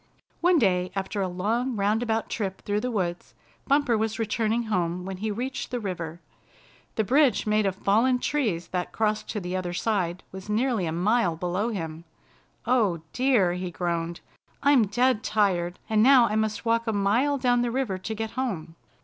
One day, after a long roundabout trip through the woods, Bumper was returning home when he reached the river. The bridge made of fallen trees that crossed to the other side was nearly a mile below him. "Oh, dear," he groaned, "I'm dead tired, and now I must walk a mile down the river to get home."